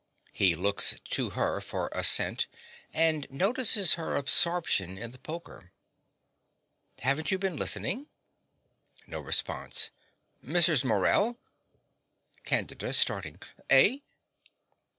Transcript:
(He looks to her for assent, and notices her absorption in the poker.) Haven't you been listening? (No response.) Mrs. Morell! CANDIDA (starting). Eh?